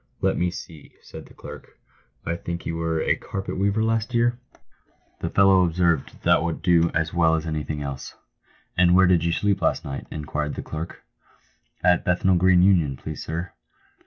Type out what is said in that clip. " Let me see," said the clerk, " I think you were a carpet weaver last vear ?" 14 PAYED WITH GOLD. The fellow observed " that would do as well as anything else." " And where did you sleep last night ?" inquired the clerk. "At Bethnal green Union, please, sir."